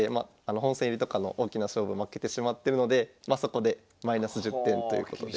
本戦入りとかの大きな勝負負けてしまってるのでそこでマイナス１０点ということで。